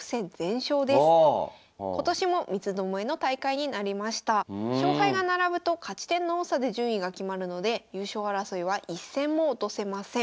勝敗が並ぶと勝ち点の多さで順位が決まるので優勝争いは一戦も落とせません。